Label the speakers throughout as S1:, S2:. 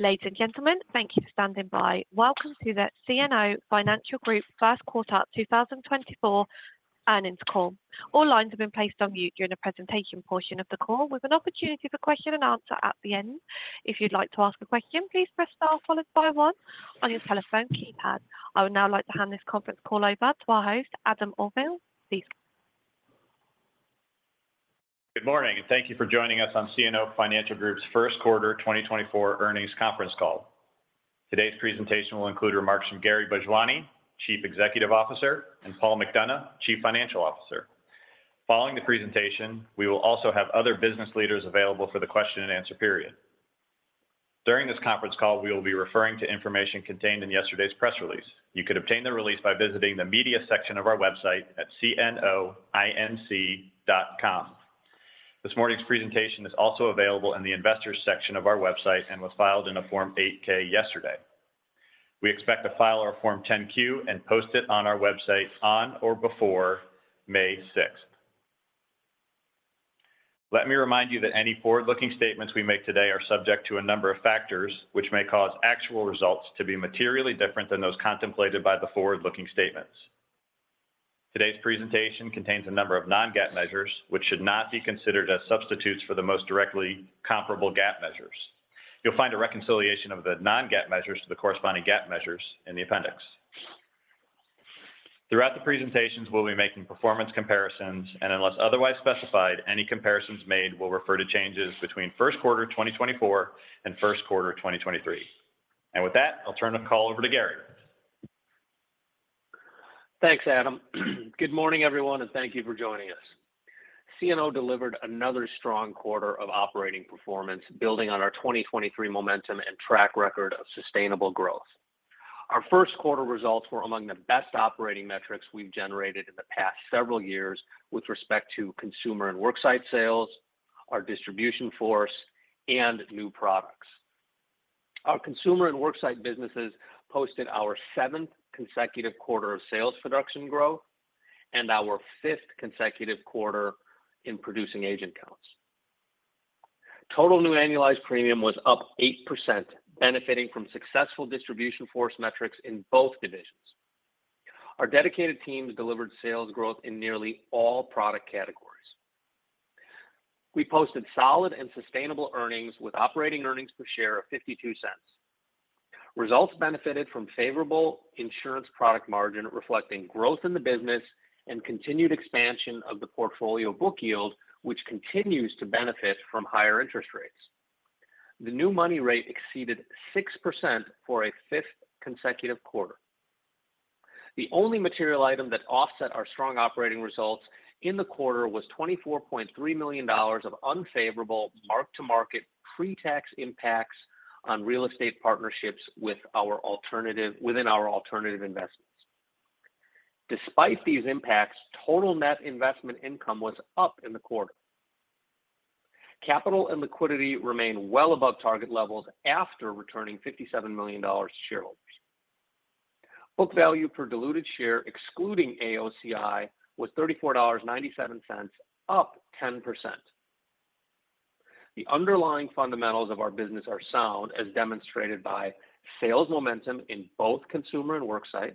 S1: Ladies and gentlemen, thank you for standing by. Welcome to the CNO Financial Group first quarter 2024 earnings call. All lines have been placed on mute during the presentation portion of the call, with an opportunity for question and answer at the end. If you'd like to ask a question, please press star followed by one on your telephone keypad. I would now like to hand this conference call over to our host, Adam Auvil. Please.
S2: Good morning, and Thank you for joining us on CNO Financial Group's first quarter 2024 earnings conference call. Today's presentation will include remarks from Gary Bhojwani, Chief Executive Officer, and Paul McDonough, Chief Financial Officer. Following the presentation, we will also have other business leaders available for the question and answer period. During this conference call, we will be referring to information contained in yesterday's press release. You can obtain the release by visiting the media section of our website at cno.com. This morning's presentation is also available in the investors section of our website and was filed in a Form 8-K yesterday. We expect to file our Form 10-Q and post it on our website on or before May 6th. Let me remind you that any forward-looking statements we make today are subject to a number of factors which may cause actual results to be materially different than those contemplated by the forward-looking statements. Today's presentation contains a number of non-GAAP measures which should not be considered as substitutes for the most directly comparable GAAP measures. You'll find a reconciliation of the non-GAAP measures to the corresponding GAAP measures in the appendix. Throughout the presentations, we'll be making performance comparisons, and unless otherwise specified, any comparisons made will refer to changes between first quarter 2024 and first quarter 2023. With that, I'll turn the call over to Gary.
S3: Thanks, Adam. Good morning, everyone, and thank you for joining us. CNO delivered another strong quarter of operating performance, building on our 2023 momentum and track record of sustainable growth. Our first quarter results were among the best operating metrics we've generated in the past several years with respect to consumer and worksite sales, our distribution force, and new products. Our consumer and worksite businesses posted our seventh consecutive quarter of sales production growth and our fifth consecutive quarter in producing agent counts. Total new annualized premium was up 8%, benefiting from successful distribution force metrics in both divisions. Our dedicated teams delivered sales growth in nearly all product categories. We posted solid and sustainable earnings with operating earnings per share of $0.52. Results benefited from favorable insurance product margin reflecting growth in the business and continued expansion of the portfolio book yield, which continues to benefit from higher interest rates. The new money rate exceeded 6% for a fifth consecutive quarter. The only material item that offset our strong operating results in the quarter was $24.3 million of unfavorable mark-to-market pre-tax impacts on real estate partnerships within our alternative investments. Despite these impacts, total net investment income was up in the quarter. Capital and liquidity remained well above target levels after returning $57 million to shareholders. Book value per diluted share, excluding AOCI, was $34.97, up 10%. The underlying fundamentals of our business are sound, as demonstrated by sales momentum in both consumer and worksite,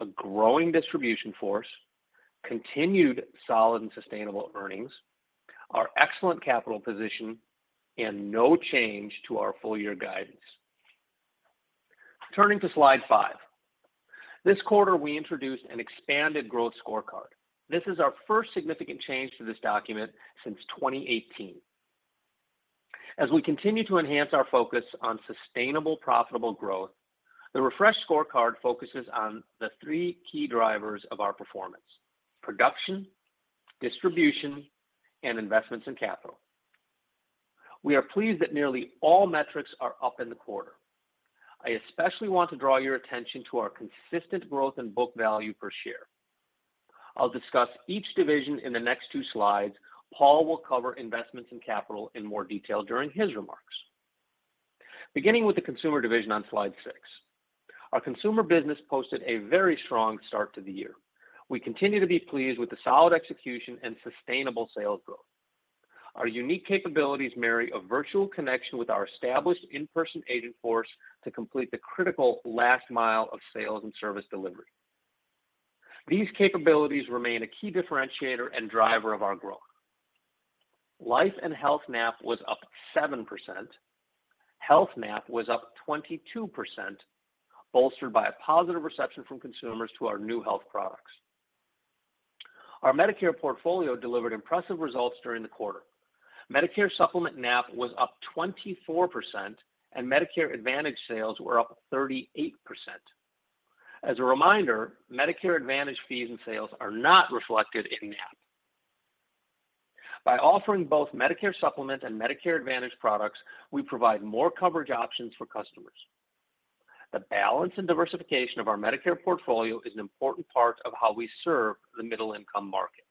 S3: a growing distribution force, continued solid and sustainable earnings, our excellent capital position, and no change to our full-year guidance. Turning to slide five, this quarter we introduced an expanded growth scorecard. This is our first significant change to this document since 2018. As we continue to enhance our focus on sustainable profitable growth, the refreshed scorecard focuses on the three key drivers of our performance: production, distribution, and investments in capital. We are pleased that nearly all metrics are up in the quarter. I especially want to draw your attention to our consistent growth in book value per share. I'll discuss each division in the next two slides. Paul will cover investments in capital in more detail during his remarks. Beginning with the Consumer Division on slide six, our consumer business posted a very strong start to the year. We continue to be pleased with the solid execution and sustainable sales growth. Our unique capabilities marry a virtual connection with our established in-person agent force to complete the critical last mile of sales and service delivery. These capabilities remain a key differentiator and driver of our growth. Life and Health NAP was up 7%. Health NAP was up 22%, bolstered by a positive reception from consumers to our new health products. Our Medicare portfolio delivered impressive results during the quarter. Medicare Supplement NAP was up 24%, and Medicare Advantage sales were up 38%. As a reminder, Medicare Advantage fees and sales are not reflected in NAP. By offering both Medicare Supplement and Medicare Advantage products, we provide more coverage options for customers. The balance and diversification of our Medicare portfolio is an important part of how we serve the middle-income market.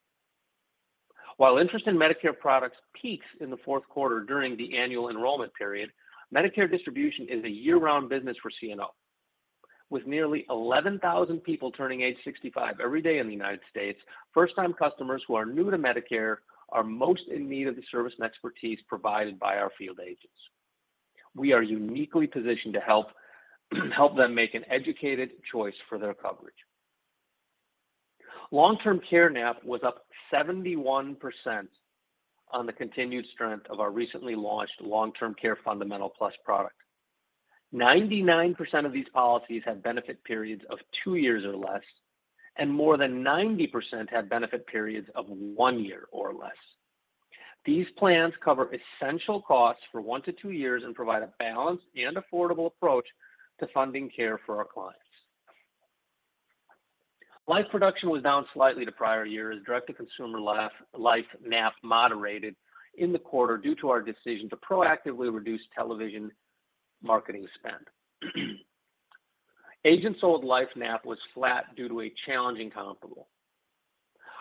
S3: While interest in Medicare products peaks in the fourth quarter during the annual enrollment period, Medicare distribution is a year-round business for CNO. With nearly 11,000 people turning age 65 every day in the United States, first-time customers who are new to Medicare are most in need of the service and expertise provided by our field agents. We are uniquely positioned to help them make an educated choice for their coverage. Long-term care NAP was up 71% on the continued strength of our recently launched Long-Term Care Fundamental Plus product. 99% of these policies have benefit periods of two years or less, and more than 90% have benefit periods of one year or less. These plans cover essential costs for one to two years and provide a balanced and affordable approach to funding care for our clients. Life production was down slightly to prior years. Direct-to-consumer life NAP moderated in the quarter due to our decision to proactively reduce television marketing spend. Agent-sold life NAP was flat due to a challenging comparable.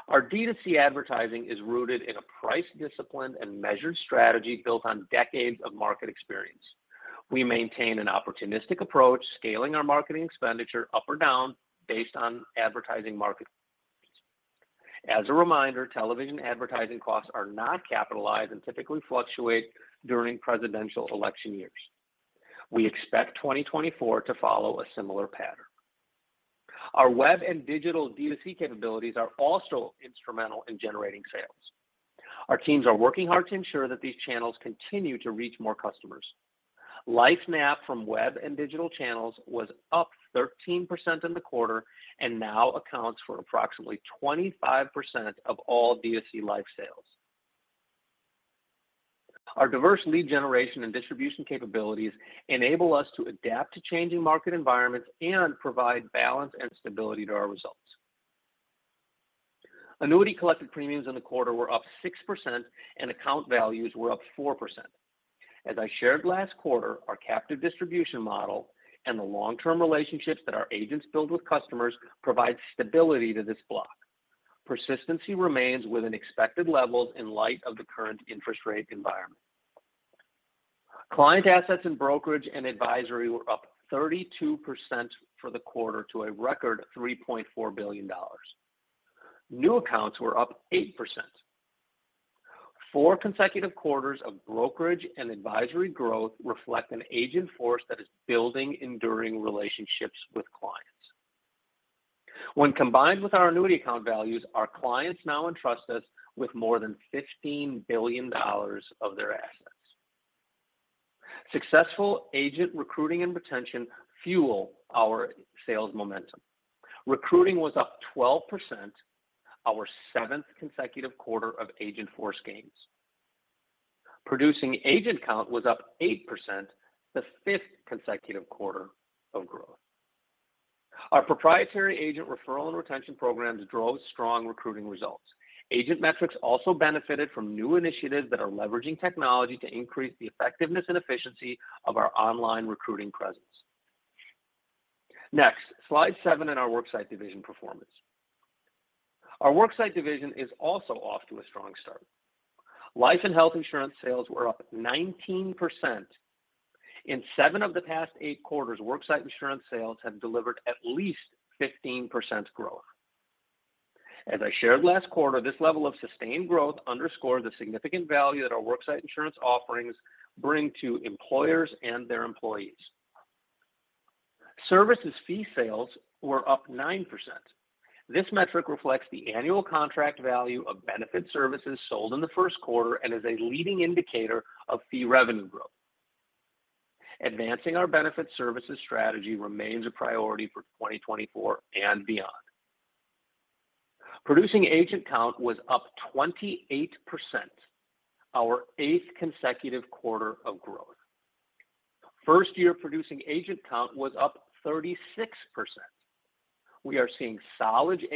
S3: Our D2C advertising is rooted in a price discipline and measured strategy built on decades of market experience. We maintain an opportunistic approach, scaling our marketing expenditure up or down based on advertising market. As a reminder, television advertising costs are not capitalized and typically fluctuate during presidential election years. We expect 2024 to follow a similar pattern. Our web and digital D2C capabilities are also instrumental in generating sales. Our teams are working hard to ensure that these channels continue to reach more customers. Life NAP from web and digital channels was up 13% in the quarter and now accounts for approximately 25% of all D2C life sales. Our diverse lead generation and distribution capabilities enable us to adapt to changing market environments and provide balance and stability to our results. Annuity collected premiums in the quarter were up 6%, and account values were up 4%. As I shared last quarter, our captive distribution model and the long-term relationships that our agents build with customers provide stability to this block. Persistency remains within expected levels in light of the current interest rate environment. Client assets in brokerage and advisory were up 32% for the quarter to a record $3.4 billion. New accounts were up 8%. Four consecutive quarters of brokerage and advisory growth reflect an agent force that is building enduring relationships with clients. When combined with our annuity account values, our clients now entrust us with more than $15 billion of their assets. Successful agent recruiting and retention fuel our sales momentum. Recruiting was up 12%, our seventh consecutive quarter of agent force gains. Producing agent count was up 8%, the fifth consecutive quarter of growth. Our proprietary agent referral and retention programs drove strong recruiting results. Agent metrics also benefited from new initiatives that are leveraging technology to increase the effectiveness and efficiency of our online recruiting presence. Next, slide seven in our Worksite Division performance. Our Worksite Division is also off to a strong start. Life and health insurance sales were up 19%. In seven of the past eight quarters, worksite insurance sales have delivered at least 15% growth. As I shared last quarter, this level of sustained growth underscores the significant value that our worksite insurance offerings bring to employers and their employees. Services fee sales were up 9%. This metric reflects the annual contract value of benefit services sold in the first quarter and is a leading indicator of fee revenue growth. Advancing our benefit services strategy remains a priority for 2024 and beyond. Producing agent count was up 28%, our eighth consecutive quarter of growth. First-year producing agent count was up 36%. We are seeing solid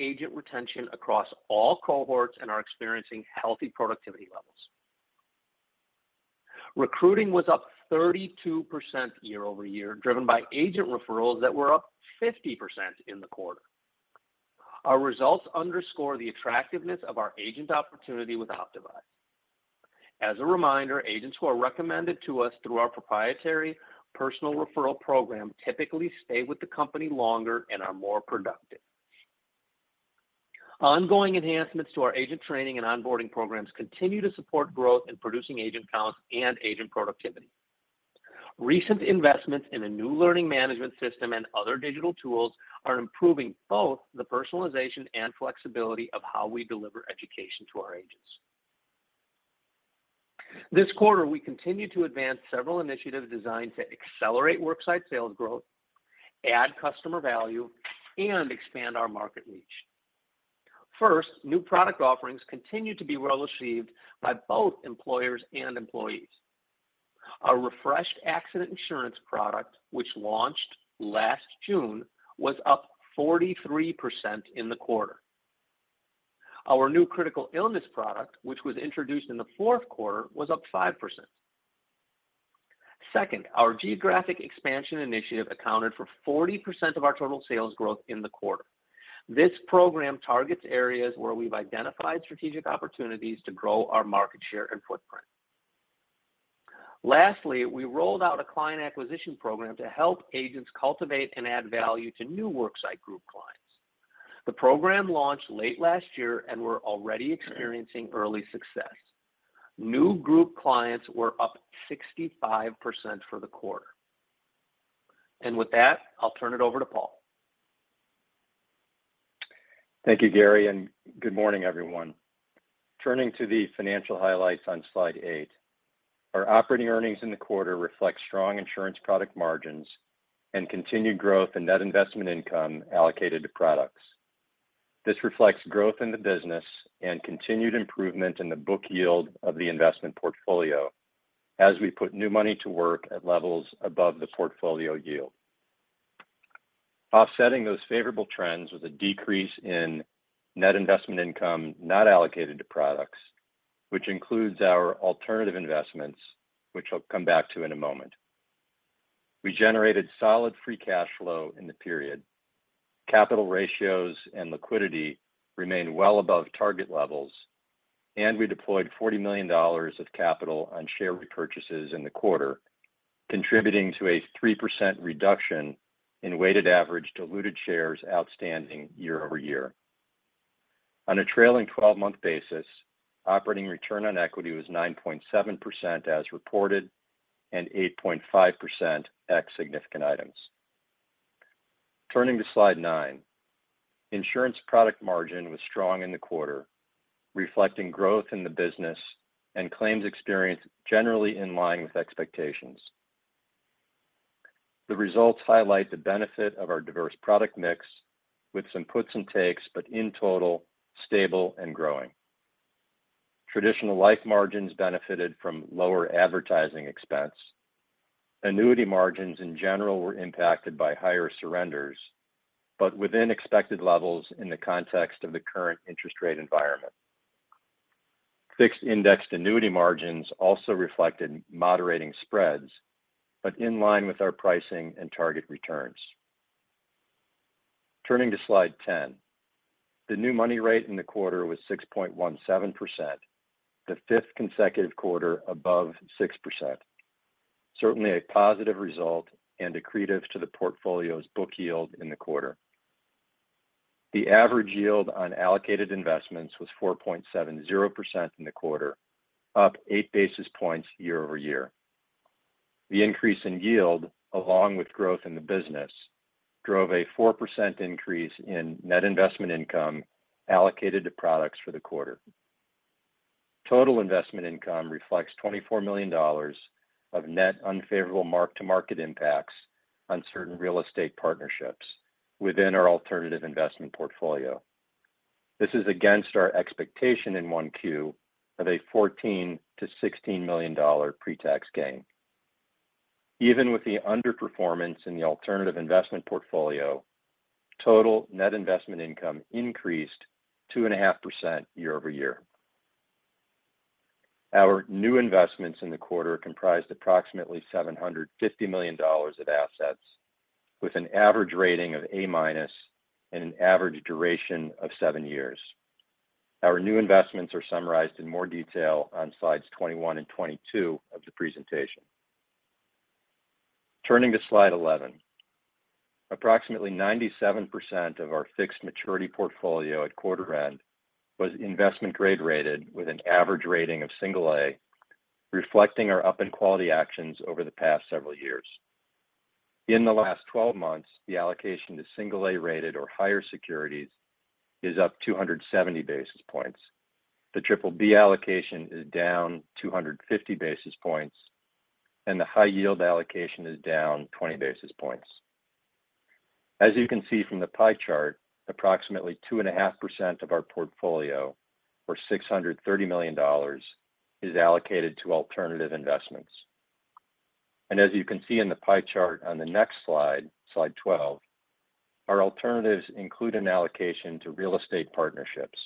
S3: agent retention across all cohorts and are experiencing healthy productivity levels. Recruiting was up 32% year-over-year, driven by agent referrals that were up 50% in the quarter. Our results underscore the attractiveness of our agent opportunity with Optavise. As a reminder, agents who are recommended to us through our proprietary personal referral program typically stay with the company longer and are more productive. Ongoing enhancements to our agent training and onboarding programs continue to support growth in producing agent counts and agent productivity. Recent investments in a new learning management system and other digital tools are improving both the personalization and flexibility of how we deliver education to our agents. This quarter, we continue to advance several initiatives designed to accelerate worksite sales growth, add customer value, and expand our market reach. First, new product offerings continue to be well received by both employers and employees. Our refreshed accident insurance product, which launched last June, was up 43% in the quarter. Our new critical illness product, which was introduced in the fourth quarter, was up 5%. Second, our geographic expansion initiative accounted for 40% of our total sales growth in the quarter. This program targets areas where we've identified strategic opportunities to grow our market share and footprint. Lastly, we rolled out a client acquisition program to help agents cultivate and add value to new worksite group clients. The program launched late last year and we're already experiencing early success. New group clients were up 65% for the quarter. With that, I'll turn it over to Paul.
S4: Thank you, Gary, and good morning, everyone. Turning to the financial highlights on slide eight, our operating earnings in the quarter reflect strong insurance product margins and continued growth in net investment income allocated to products. This reflects growth in the business and continued improvement in the book yield of the investment portfolio as we put new money to work at levels above the portfolio yield. Offsetting those favorable trends was a decrease in net investment income not allocated to products, which includes our alternative investments, which I'll come back to in a moment. We generated solid free cash flow in the period. Capital ratios and liquidity remained well above target levels, and we deployed $40 million of capital on share repurchases in the quarter, contributing to a 3% reduction in weighted average diluted shares outstanding year-over-year. On a trailing 12-month basis, operating return on equity was 9.7% as reported and 8.5% ex-significant items. Turning to slide nine, insurance product margin was strong in the quarter, reflecting growth in the business and claims experience generally in line with expectations. The results highlight the benefit of our diverse product mix with some puts and takes, but in total, stable and growing. Traditional life margins benefited from lower advertising expense. Annuity margins in general were impacted by higher surrenders, but within expected levels in the context of the current interest rate environment. Fixed indexed annuity margins also reflected moderating spreads, but in line with our pricing and target returns. Turning to slide 10, the new money rate in the quarter was 6.17%, the fifth consecutive quarter above 6%. Certainly a positive result and accretive to the portfolio's book yield in the quarter. The average yield on allocated investments was 4.70% in the quarter, up 8 basis points year-over-year. The increase in yield, along with growth in the business, drove a 4% increase in net investment income allocated to products for the quarter. Total investment income reflects $24 million of net unfavorable mark-to-market impacts on certain real estate partnerships within our alternative investment portfolio. This is against our expectation in 1Q of a $14 million-$16 million pre-tax gain. Even with the underperformance in the alternative investment portfolio, total net investment income increased 2.5% year-over-year. Our new investments in the quarter comprised approximately $750 million of assets, with an average rating of A- and an average duration of seven years. Our new investments are summarized in more detail on slides 21 and 22 of the presentation. Turning to slide 11, approximately 97% of our fixed maturity portfolio at quarter end was investment-grade rated with an average rating of single A, reflecting our up-and-quality actions over the past several years. In the last 12 months, the allocation to single A-rated or higher securities is up 270 basis points. The BBB allocation is down 250 basis points, and the high-yield allocation is down 20 basis points. As you can see from the pie chart, approximately 2.5% of our portfolio, or $630 million, is allocated to alternative investments. As you can see in the pie chart on the next slide, slide 12, our alternatives include an allocation to real estate partnerships.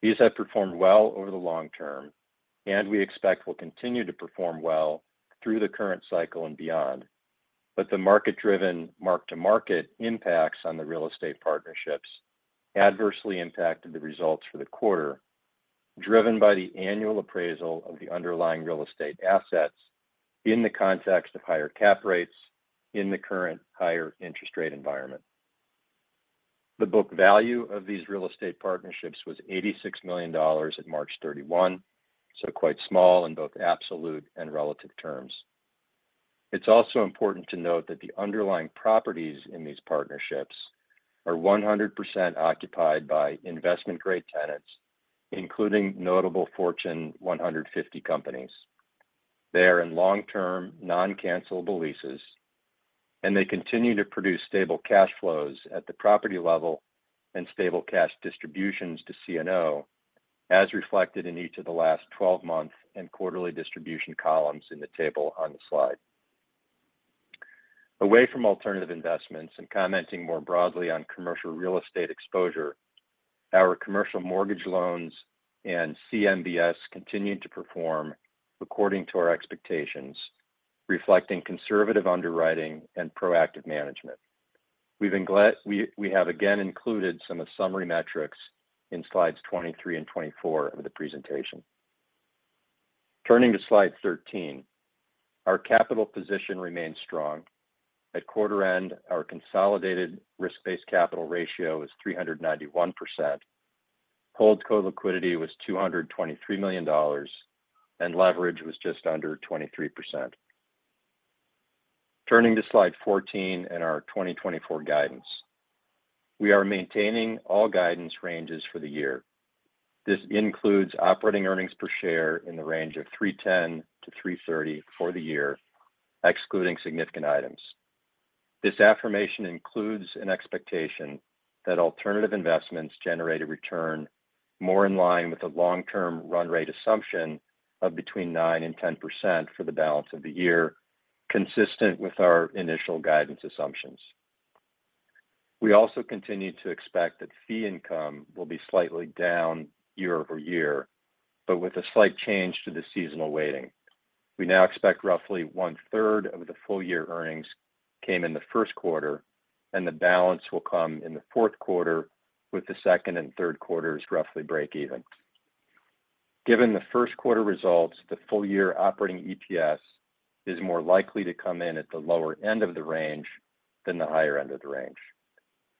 S4: These have performed well over the long term, and we expect will continue to perform well through the current cycle and beyond. But the market-driven mark-to-market impacts on the real estate partnerships adversely impacted the results for the quarter, driven by the annual appraisal of the underlying real estate assets in the context of higher cap rates in the current higher interest rate environment. The book value of these real estate partnerships was $86 million at March 31, so quite small in both absolute and relative terms. It's also important to note that the underlying properties in these partnerships are 100% occupied by investment-grade tenants, including notable Fortune 150 companies. They are in long-term, non-cancelable leases, and they continue to produce stable cash flows at the property level and stable cash distributions to CNO, as reflected in each of the last 12-month and quarterly distribution columns in the table on the slide. Away from alternative investments and commenting more broadly on commercial real estate exposure, our commercial mortgage loans and CMBS continue to perform according to our expectations, reflecting conservative underwriting and proactive management. We have, again, included some of the summary metrics in slides 23 and 24 of the presentation. Turning to slide 13, our capital position remains strong. At quarter end, our consolidated risk-based capital ratio was 391%. HoldCo liquidity was $223 million, and leverage was just under 23%. Turning to slide 14 and our 2024 guidance, we are maintaining all guidance ranges for the year. This includes operating earnings per share in the range of $3.10-$3.30 for the year, excluding significant items. This affirmation includes an expectation that alternative investments generate a return more in line with the long-term run rate assumption of between 9% and 10% for the balance of the year, consistent with our initial guidance assumptions. We also continue to expect that fee income will be slightly down year-over-year, but with a slight change to the seasonal weighting. We now expect roughly 1/3 of the full-year earnings came in the first quarter, and the balance will come in the fourth quarter, with the second and third quarters roughly break even. Given the first quarter results, the full-year operating EPS is more likely to come in at the lower end of the range than the higher end of the range.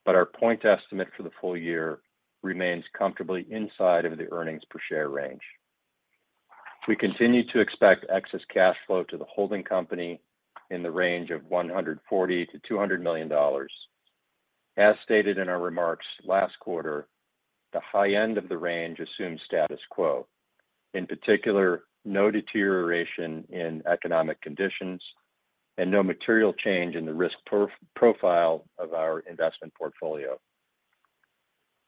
S4: But our point estimate for the full year remains comfortably inside of the earnings per share range. We continue to expect excess cash flow to the holding company in the range of $140 million-$200 million. As stated in our remarks last quarter, the high end of the range assumes status quo. In particular, no deterioration in economic conditions and no material change in the risk profile of our investment portfolio.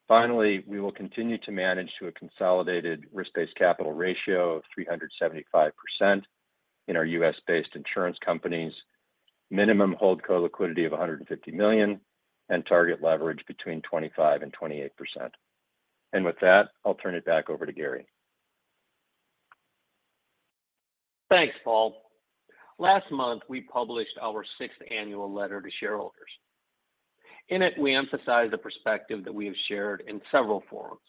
S4: Finally, we will continue to manage to a consolidated risk-based capital ratio of 375% in our U.S.-based insurance companies, minimum HoldCo-liquidity of $150 million, and target leverage between 25%-28%. With that, I'll turn it back over to Gary.
S3: Thanks, Paul. Last month, we published our sixth annual letter to shareholders. In it, we emphasize the perspective that we have shared in several forums.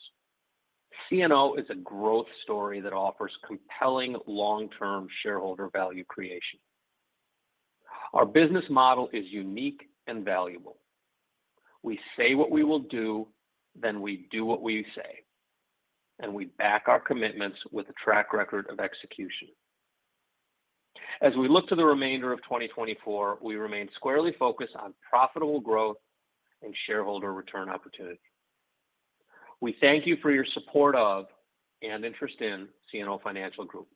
S3: CNO is a growth story that offers compelling long-term shareholder value creation. Our business model is unique and valuable. We say what we will do, then we do what we say, and we back our commitments with a track record of execution. As we look to the remainder of 2024, we remain squarely focused on profitable growth and shareholder return opportunity. We thank you for your support of and interest in CNO Financial Group.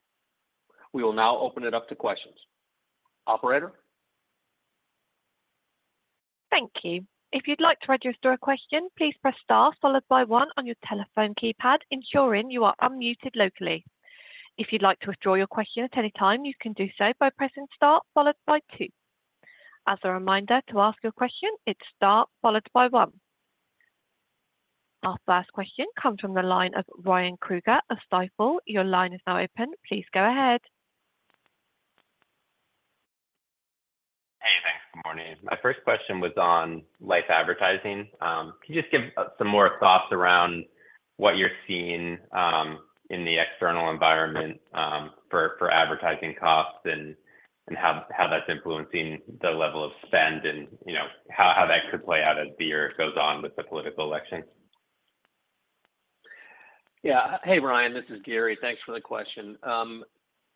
S3: We will now open it up to questions. Operator?
S1: Thank you. If you'd like to ask a question, please press star followed by one on your telephone keypad, ensuring you are unmuted locally. If you'd like to withdraw your question at any time, you can do so by pressing star followed by two. As a reminder to ask your question, it's star followed by one. Our first question comes from the line of Ryan Krueger of Stifel. Your line is now open. Please go ahead.
S5: Hey, thanks. Good morning. My first question was on life advertising. Can you just give some more thoughts around what you're seeing in the external environment for advertising costs and how that's influencing the level of spend and how that could play out as the year goes on with the political election?
S3: Yeah. Hey, Ryan. This is Gary. Thanks for the question.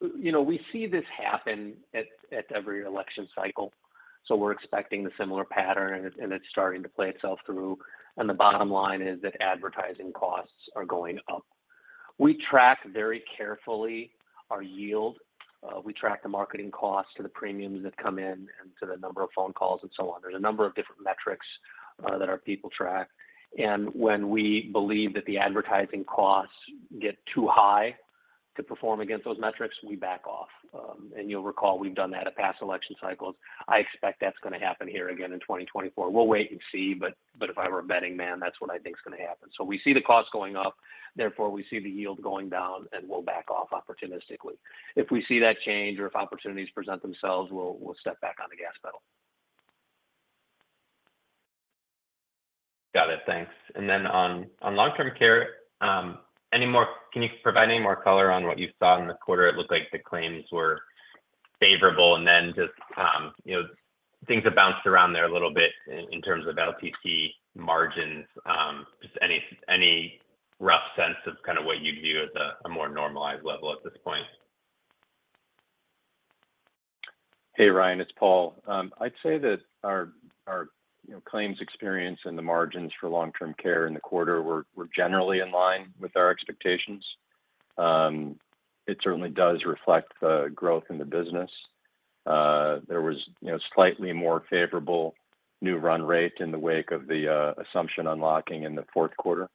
S3: We see this happen at every election cycle, so we're expecting a similar pattern, and it's starting to play itself through. The bottom line is that advertising costs are going up. We track very carefully our yield. We track the marketing costs to the premiums that come in and to the number of phone calls and so on. There's a number of different metrics that our people track. When we believe that the advertising costs get too high to perform against those metrics, we back off. You'll recall we've done that at past election cycles. I expect that's going to happen here again in 2024. We'll wait and see, but if I were a betting man, that's what I think's going to happen. So we see the costs going up. Therefore, we see the yield going down, and we'll back off opportunistically. If we see that change or if opportunities present themselves, we'll step back on the gas pedal.
S5: Got it. Thanks. And then on long-term care, can you provide any more color on what you saw in the quarter? It looked like the claims were favorable, and then just things have bounced around there a little bit in terms of LTC margins. Just any rough sense of kind of what you'd view as a more normalized level at this point?
S4: Hey, Ryan. It's Paul. I'd say that our claims experience and the margins for long-term care in the quarter, we're generally in line with our expectations. It certainly does reflect the growth in the business. There was slightly more favorable new run rate in the wake of the assumption unlocking in the fourth quarter.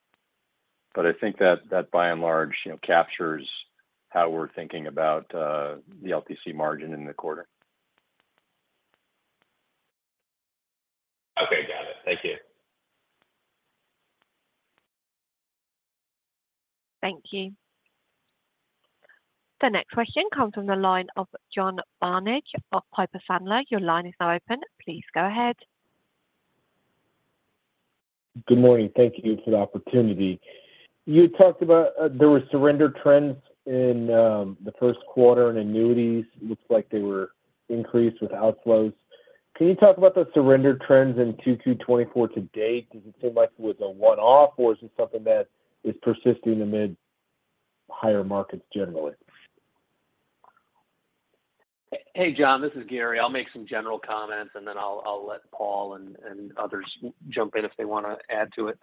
S4: But I think that, by and large, captures how we're thinking about the LTC margin in the quarter.
S5: Okay. Got it. Thank you.
S1: Thank you. The next question comes from the line of John Barnidge of Piper Sandler. Your line is now open. Please go ahead.
S6: Good morning. Thank you for the opportunity. You talked about there were surrender trends in the first quarter in annuities. It looks like they were increased with outflows. Can you talk about the surrender trends in 2Q 2024 to date? Does it seem like it was a one-off, or is it something that is persisting amid higher markets generally?
S3: Hey, John. This is Gary. I'll make some general comments, and then I'll let Paul and others jump in if they want to add to it.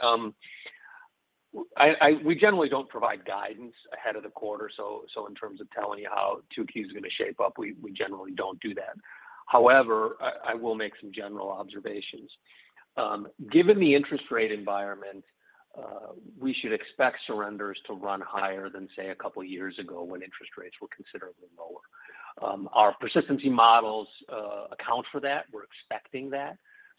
S3: We generally don't provide guidance ahead of the quarter. So in terms of telling you how 2Q is going to shape up, we generally don't do that. However, I will make some general observations. Given the interest rate environment, we should expect surrenders to run higher than, say, a couple of years ago when interest rates were considerably lower. Our persistency models account for that. We're expecting that,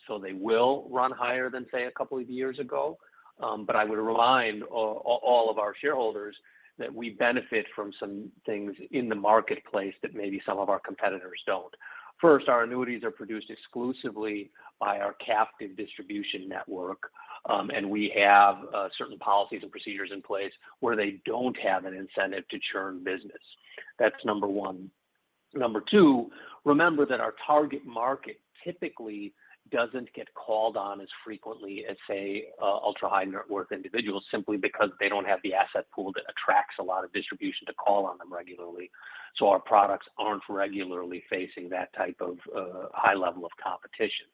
S3: so they will run higher than, say, a couple of years ago. But I would remind all of our shareholders that we benefit from some things in the marketplace that maybe some of our competitors don't. First, our annuities are produced exclusively by our captive distribution network, and we have certain policies and procedures in place where they don't have an incentive to churn business. That's number one. Number two, remember that our target market typically doesn't get called on as frequently as, say, ultra-high net-worth individuals simply because they don't have the asset pool that attracts a lot of distribution to call on them regularly. So our products aren't regularly facing that type of high level of competition.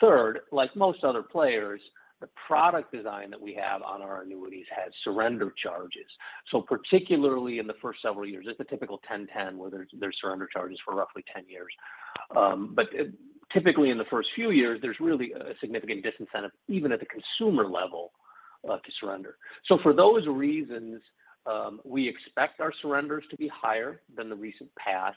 S3: Third, like most other players, the product design that we have on our annuities has surrender charges. So particularly in the first several years, it's a typical 10/10 where there's surrender charges for roughly 10 years. But typically, in the first few years, there's really a significant disincentive, even at the consumer level, to surrender. So for those reasons, we expect our surrenders to be higher than the recent past,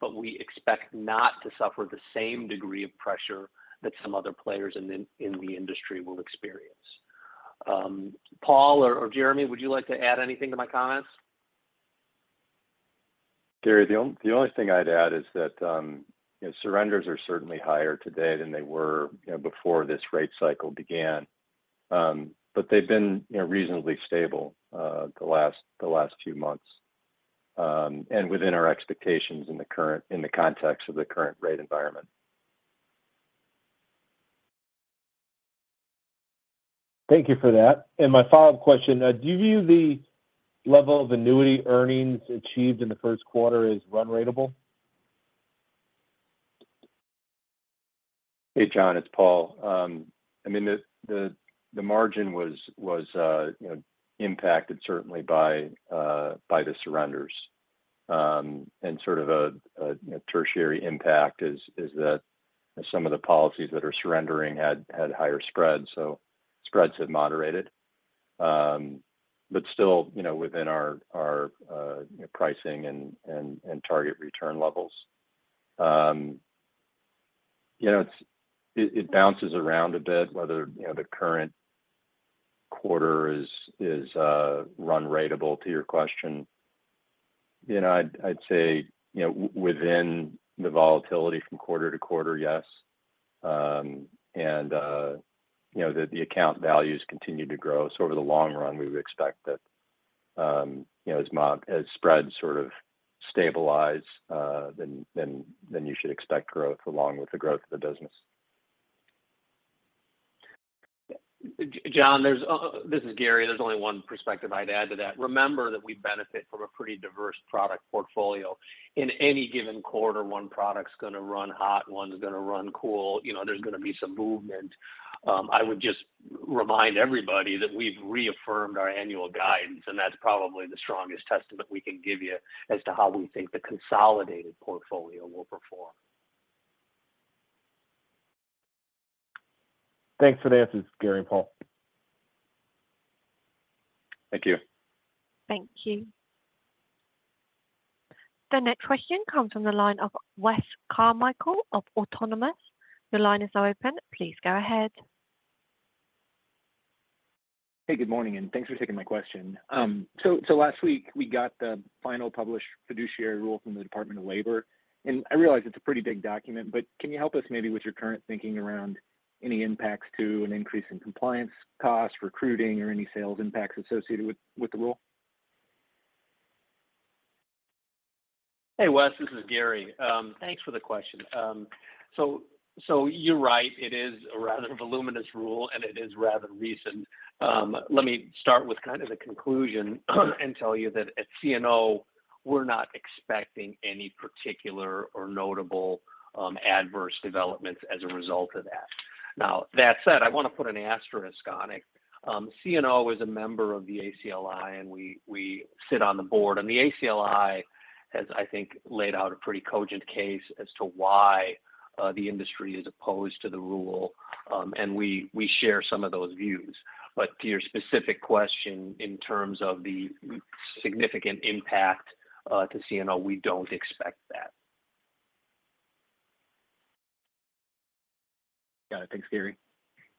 S3: but we expect not to suffer the same degree of pressure that some other players in the industry will experience. Paul or Jeremy, would you like to add anything to my comments?
S4: Gary, the only thing I'd add is that surrenders are certainly higher today than they were before this rate cycle began. But they've been reasonably stable the last few months and within our expectations in the context of the current rate environment.
S6: Thank you for that. My follow-up question, do you view the level of annuity earnings achieved in the first quarter as run-rate?
S4: Hey, John. It's Paul. I mean, the margin was impacted, certainly, by the surrenders. And sort of a tertiary impact is that some of the policies that are surrendering had higher spreads, so spreads have moderated, but still within our pricing and target return levels. It bounces around a bit whether the current quarter is run ratable, to your question. I'd say within the volatility from quarter to quarter, yes, and that the account values continue to grow. So over the long run, we would expect that as spreads sort of stabilize, then you should expect growth along with the growth of the business.
S3: John, this is Gary. There's only one perspective I'd add to that. Remember that we benefit from a pretty diverse product portfolio. In any given quarter, one product's going to run hot, one's going to run cool. There's going to be some movement. I would just remind everybody that we've reaffirmed our annual guidance, and that's probably the strongest testament we can give you as to how we think the consolidated portfolio will perform.
S6: Thanks for the answers, Gary, Paul.
S4: Thank you.
S1: Thank you. The next question comes from the line of Wes Carmichael of Autonomous. Your line is now open. Please go ahead.
S7: Hey, good morning, and thanks for taking my question. Last week, we got the final published fiduciary rule from the Department of Labor. I realize it's a pretty big document, but can you help us maybe with your current thinking around any impacts to an increase in compliance costs, recruiting, or any sales impacts associated with the rule?
S3: Hey, Wes. This is Gary. Thanks for the question. So you're right. It is a rather voluminous rule, and it is rather recent. Let me start with kind of the conclusion and tell you that at CNO, we're not expecting any particular or notable adverse developments as a result of that. Now, that said, I want to put an asterisk on it. CNO is a member of the ACLI, and we sit on the board. And the ACLI has, I think, laid out a pretty cogent case as to why the industry is opposed to the rule, and we share some of those views. But to your specific question in terms of the significant impact to CNO, we don't expect that.
S7: Got it. Thanks, Gary.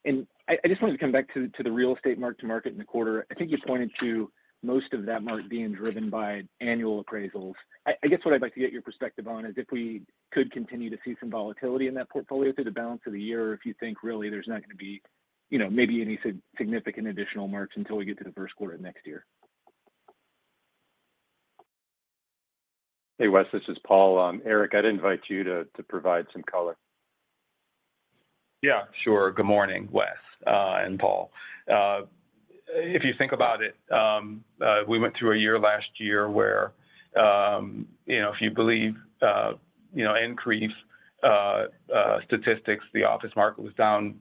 S7: I just wanted to come back to the real estate mark-to-market in the quarter. I think you pointed to most of that mark being driven by annual appraisals. I guess what I'd like to get your perspective on is if we could continue to see some volatility in that portfolio through the balance of the year or if you think, really, there's not going to be maybe any significant additional marks until we get to the first quarter of next year.
S4: Hey, Wes. This is Paul. Eric, I'd invite you to provide some color.
S8: Yeah, sure. Good morning, Wes and Paul. If you think about it, we went through a year last year where, if you believe NCREIF statistics, the office market was down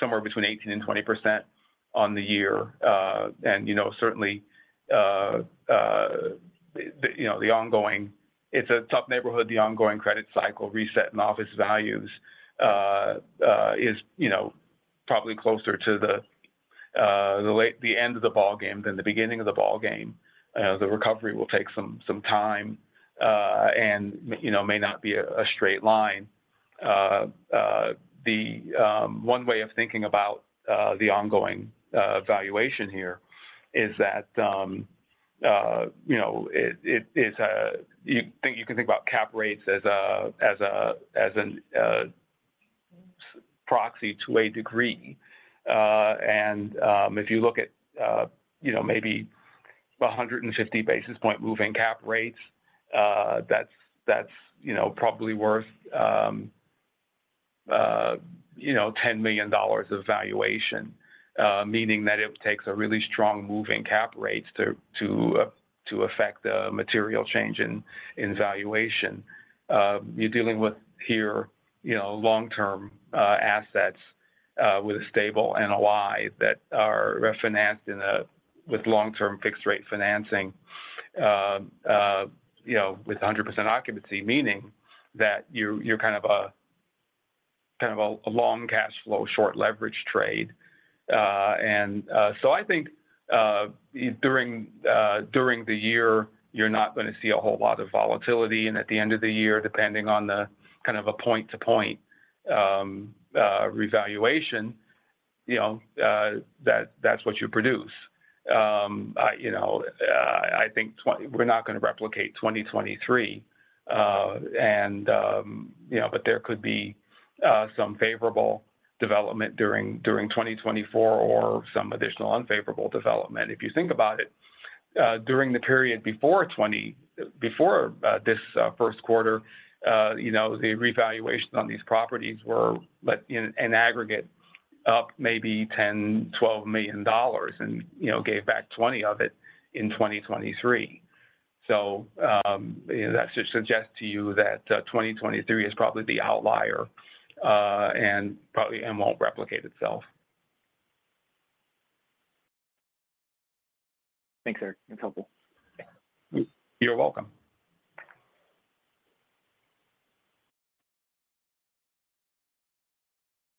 S8: somewhere between 18%-20% on the year. And certainly, it's a tough neighborhood. The ongoing credit cycle reset in office values is probably closer to the end of the ballgame than the beginning of the ballgame. The recovery will take some time and may not be a straight line. One way of thinking about the ongoing valuation here is that it is a you can think about cap rates as a proxy to a degree. And if you look at maybe 150 basis points moving cap rates, that's probably worth $10 million of valuation, meaning that it takes a really strong moving cap rates to affect a material change in valuation. You're dealing with, here, long-term assets with a stable NOI that are refinanced with long-term fixed-rate financing with 100% occupancy, meaning that you're kind of a long cash flow, short leverage trade. And so I think during the year, you're not going to see a whole lot of volatility. And at the end of the year, depending on the kind of a point-to-point revaluation, that's what you produce. I think we're not going to replicate 2023, but there could be some favorable development during 2024 or some additional unfavorable development. If you think about it, during the period before this first quarter, the revaluations on these properties were, in aggregate, up maybe $10 million-$12 million and gave back $20 million of it in 2023. So that just suggests to you that 2023 is probably the outlier and won't replicate itself.
S7: Thanks, Eric. That's helpful.
S8: You're welcome.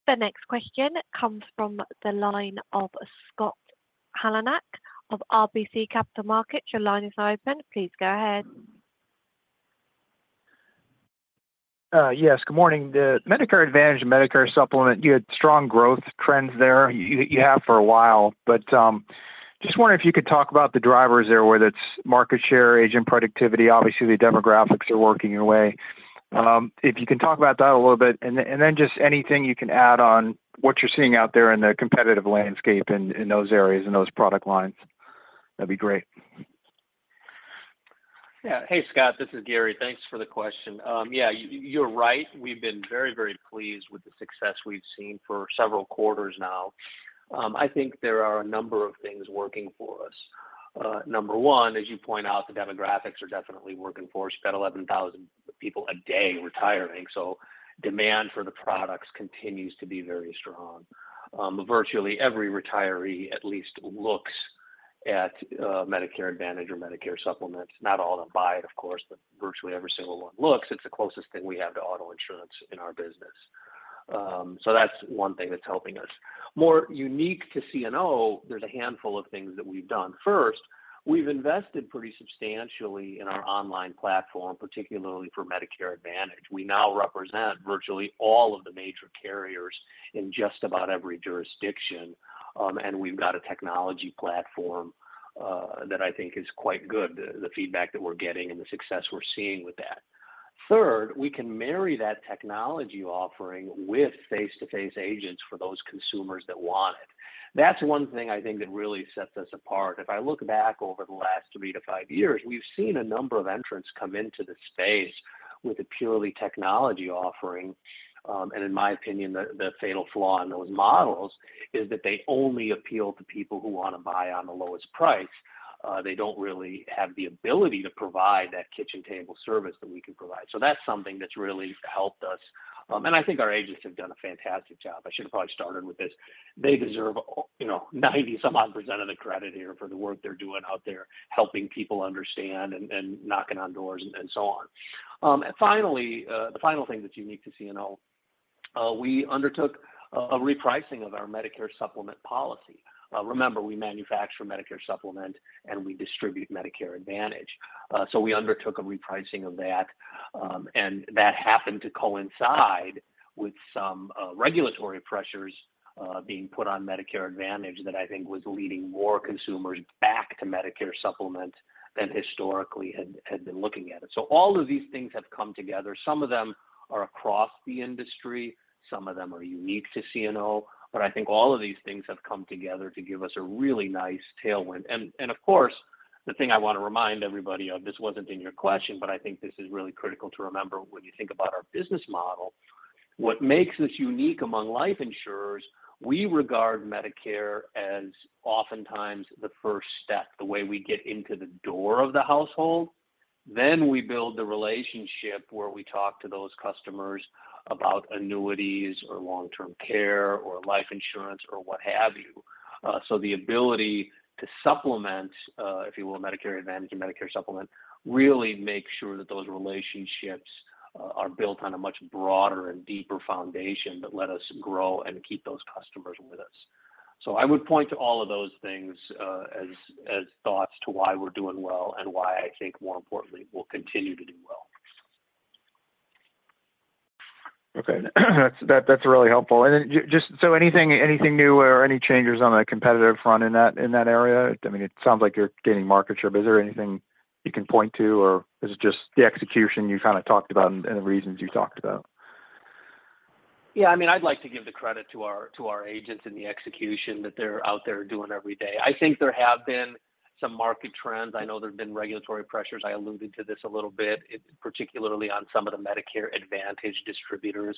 S1: The next question comes from the line of Scott Heleniak of RBC Capital Markets. Your line is now open. Please go ahead.
S9: Yes. Good morning. The Medicare Advantage and Medicare Supplement, you had strong growth trends there. You have for a while. But just wondering if you could talk about the drivers there, whether it's market share, agent productivity. Obviously, the demographics are working your way. If you can talk about that a little bit and then just anything you can add on what you're seeing out there in the competitive landscape in those areas and those product lines, that'd be great.
S3: Yeah. Hey, Scott. This is Gary. Thanks for the question. Yeah, you're right. We've been very, very pleased with the success we've seen for several quarters now. I think there are a number of things working for us. Number one, as you point out, the demographics are definitely working for us. You've got 11,000 people a day retiring, so demand for the products continues to be very strong. Virtually every retiree, at least, looks at Medicare Advantage or Medicare Supplements. Not all of them buy it, of course, but virtually every single one looks. It's the closest thing we have to auto insurance in our business. So that's one thing that's helping us. More unique to CNO, there's a handful of things that we've done. First, we've invested pretty substantially in our online platform, particularly for Medicare Advantage. We now represent virtually all of the major carriers in just about every jurisdiction, and we've got a technology platform that I think is quite good, the feedback that we're getting and the success we're seeing with that. Third, we can marry that technology offering with face-to-face agents for those consumers that want it. That's one thing, I think, that really sets us apart. If I look back over the last three-five years, we've seen a number of entrants come into the space with a purely technology offering. And in my opinion, the fatal flaw in those models is that they only appeal to people who want to buy on the lowest price. They don't really have the ability to provide that kitchen-table service that we can provide. So that's something that's really helped us. And I think our agents have done a fantastic job. I should have probably started with this. They deserve 90-some-odd percentage of the credit here for the work they're doing out there, helping people understand and knocking on doors and so on. And finally, the final thing that's unique to CNO, we undertook a repricing of our Medicare Supplement policy. Remember, we manufacture Medicare Supplement, and we distribute Medicare Advantage. So we undertook a repricing of that, and that happened to coincide with some regulatory pressures being put on Medicare Advantage that I think was leading more consumers back to Medicare Supplement than historically had been looking at it. So all of these things have come together. Some of them are across the industry. Some of them are unique to CNO. But I think all of these things have come together to give us a really nice tailwind. Of course, the thing I want to remind everybody of, this wasn't in your question, but I think this is really critical to remember when you think about our business model. What makes us unique among life insurers, we regard Medicare as oftentimes the first step, the way we get into the door of the household. Then we build the relationship where we talk to those customers about annuities or long-term care or life insurance or what have you. So the ability to supplement, if you will, Medicare Advantage and Medicare Supplement really makes sure that those relationships are built on a much broader and deeper foundation that let us grow and keep those customers with us. So I would point to all of those things as thoughts to why we're doing well and why I think, more importantly, we'll continue to do well.
S9: Okay. That's really helpful. Anything new or any changes on the competitive front in that area? I mean, it sounds like you're gaining market share. Is there anything you can point to, or is it just the execution you kind of talked about and the reasons you talked about?
S3: Yeah. I mean, I'd like to give the credit to our agents in the execution that they're out there doing every day. I think there have been some market trends. I know there've been regulatory pressures. I alluded to this a little bit, particularly on some of the Medicare Advantage distributors.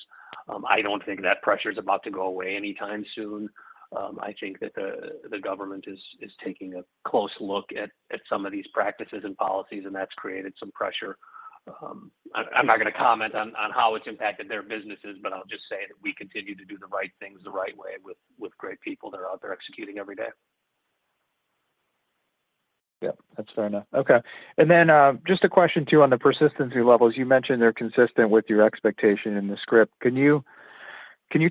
S3: I don't think that pressure's about to go away anytime soon. I think that the government is taking a close look at some of these practices and policies, and that's created some pressure. I'm not going to comment on how it's impacted their businesses, but I'll just say that we continue to do the right things the right way with great people that are out there executing every day.
S9: Yep. That's fair enough. Okay. And then just a question too on the persistency levels. You mentioned they're consistent with your expectation in the script. Can you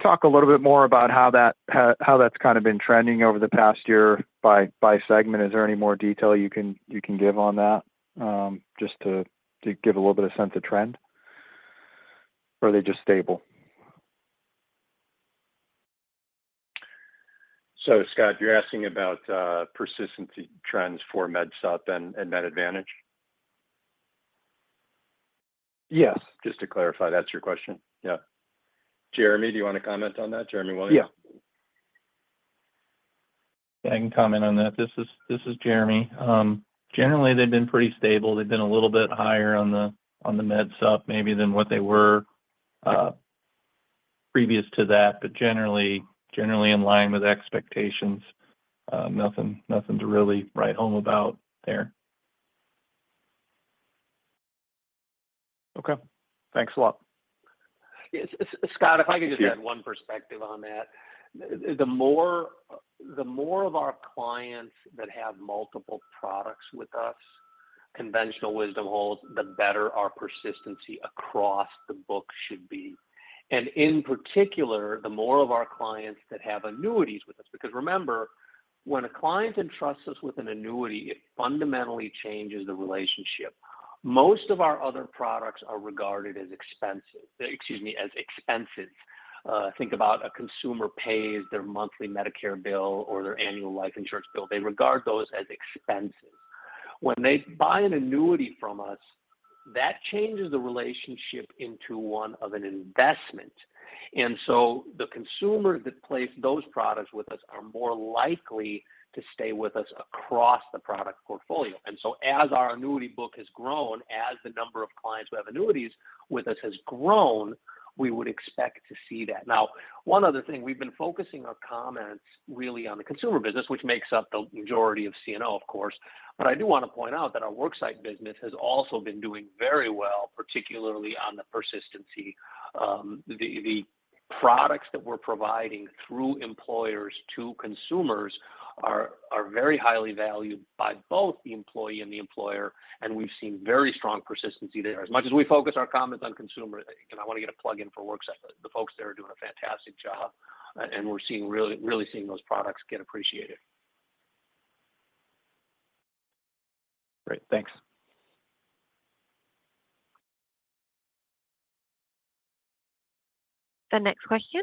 S9: talk a little bit more about how that's kind of been trending over the past year by segment? Is there any more detail you can give on that just to give a little bit of sense of trend, or are they just stable?
S4: So, Scott, you're asking about persistency trends for Med Supp and Med Advantage?
S9: Yes.
S4: Just to clarify, that's your question? Yeah. Jeremy, do you want to comment on that? Jeremy Williams?
S10: Yeah. Yeah, I can comment on that. This is Jeremy. Generally, they've been pretty stable. They've been a little bit higher on the Med Supp maybe than what they were previous to that, but generally in line with expectations. Nothing to really write home about there.
S9: Okay. Thanks a lot.
S3: Scott, if I could just add one perspective on that. The more of our clients that have multiple products with us, conventional wisdom holds, the better our persistency across the book should be. And in particular, the more of our clients that have annuities with us because remember, when a client entrusts us with an annuity, it fundamentally changes the relationship. Most of our other products are regarded as expensive, excuse me, as expenses. Think about a consumer pays their monthly Medicare bill or their annual life insurance bill. They regard those as expenses. When they buy an annuity from us, that changes the relationship into one of an investment. And so the consumers that place those products with us are more likely to stay with us across the product portfolio. And so as our annuity book has grown, as the number of clients who have annuities with us has grown, we would expect to see that. Now, one other thing, we've been focusing our comments really on the consumer business, which makes up the majority of CNO, of course. But I do want to point out that our worksite business has also been doing very well, particularly on the persistency. The products that we're providing through employers to consumers are very highly valued by both the employee and the employer, and we've seen very strong persistency there. As much as we focus our comments on consumer and I want to get a plug-in for worksite, but the folks there are doing a fantastic job, and we're really seeing those products get appreciated.
S9: Great. Thanks.
S1: The next question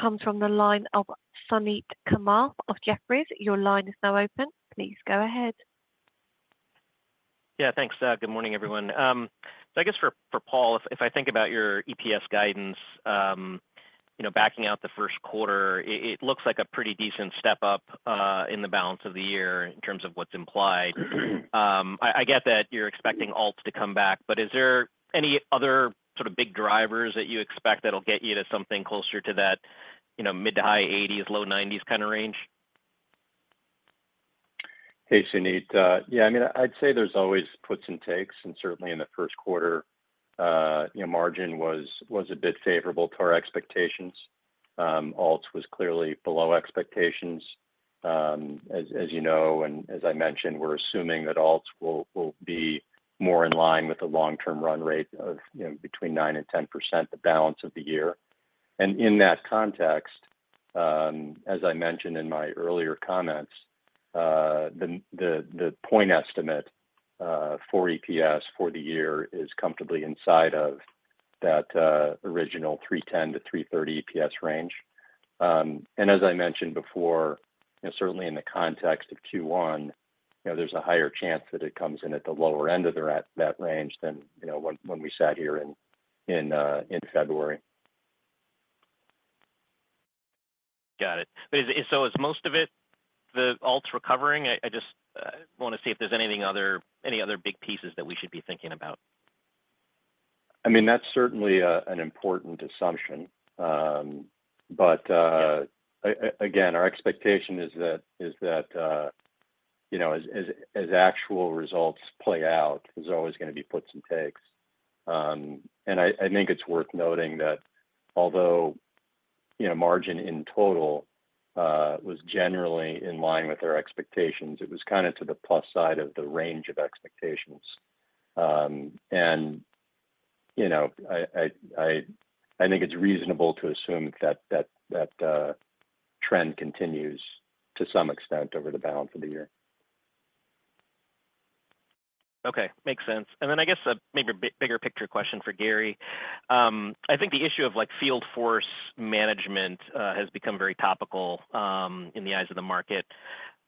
S1: comes from the line of Suneet Kamath of Jefferies. Your line is now open. Please go ahead.
S11: Yeah. Thanks, Scott. Good morning, everyone. So I guess for Paul, if I think about your EPS guidance backing out the first quarter, it looks like a pretty decent step up in the balance of the year in terms of what's implied. I get that you're expecting alts to come back, but is there any other sort of big drivers that you expect that'll get you to something closer to that mid to high 80s, low 90s kind of range?
S4: Hey, Suneet. Yeah. I mean, I'd say there's always puts and takes, and certainly in the first quarter, margin was a bit favorable to our expectations. Alts was clearly below expectations. As you know and as I mentioned, we're assuming that alts will be more in line with the long-term run rate of between 9%-10%, the balance of the year. And in that context, as I mentioned in my earlier comments, the point estimate for EPS for the year is comfortably inside of that original $3.10-$3.30 EPS range. And as I mentioned before, certainly in the context of Q1, there's a higher chance that it comes in at the lower end of that range than when we sat here in February.
S11: Got it. So is most of it the alts recovering? I just want to see if there's any other big pieces that we should be thinking about.
S4: I mean, that's certainly an important assumption. But again, our expectation is that as actual results play out, there's always going to be puts and takes. I think it's worth noting that although margin in total was generally in line with our expectations, it was kind of to the plus side of the range of expectations. I think it's reasonable to assume that trend continues to some extent over the balance of the year.
S11: Okay. Makes sense. And then I guess a maybe bigger picture question for Gary. I think the issue of field force management has become very topical in the eyes of the market.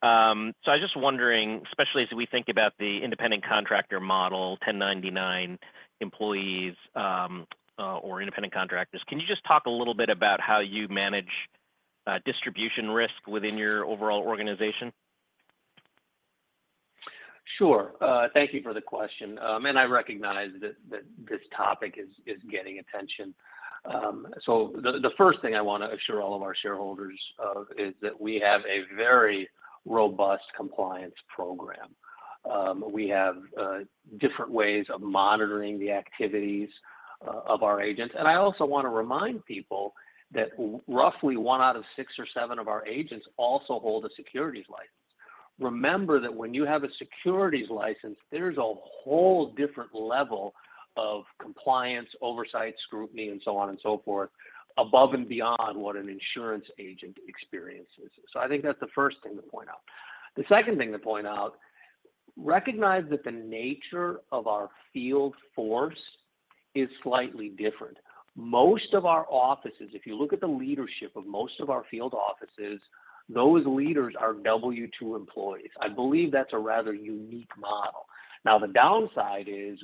S11: So I was just wondering, especially as we think about the independent contractor model, 1099 employees or independent contractors, can you just talk a little bit about how you manage distribution risk within your overall organization?
S3: Sure. Thank you for the question. I recognize that this topic is getting attention. The first thing I want to assure all of our shareholders of is that we have a very robust compliance program. We have different ways of monitoring the activities of our agents. I also want to remind people that roughly one out of six or seven of our agents also hold a securities license. Remember that when you have a securities license, there's a whole different level of compliance, oversight, scrutiny, and so on and so forth above and beyond what an insurance agent experiences. I think that's the first thing to point out. The second thing to point out, recognize that the nature of our field force is slightly different. Most of our offices, if you look at the leadership of most of our field offices, those leaders are W-2 employees. I believe that's a rather unique model. Now, the downside is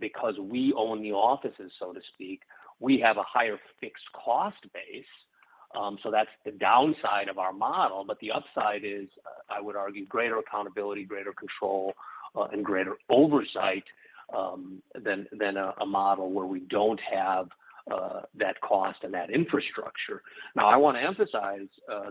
S3: because we own the offices, so to speak, we have a higher fixed cost base. So that's the downside of our model. But the upside is, I would argue, greater accountability, greater control, and greater oversight than a model where we don't have that cost and that infrastructure. Now, I want to emphasize,